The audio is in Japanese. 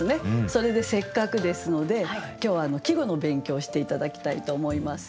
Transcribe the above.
それでせっかくですので今日は季語の勉強をして頂きたいと思います。